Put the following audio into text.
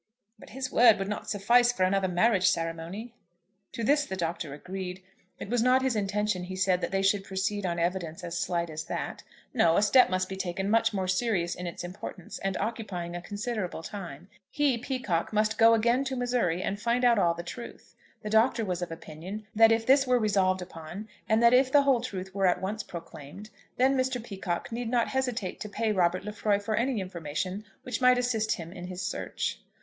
"But his word would not suffice for another marriage ceremony." To this the Doctor agreed. It was not his intention, he said, that they should proceed on evidence as slight as that. No; a step must be taken much more serious in its importance, and occupying a considerable time. He, Peacocke, must go again to Missouri and find out all the truth. The Doctor was of opinion that if this were resolved upon, and that if the whole truth were at once proclaimed, then Mr. Peacocke need not hesitate to pay Robert Lefroy for any information which might assist him in his search.